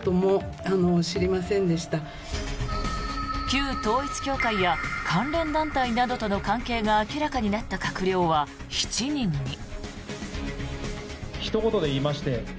旧統一教会や関連団体などとの関係が明らかになった閣僚は７人に。